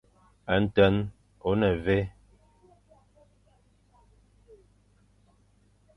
Nten ô ne mvè.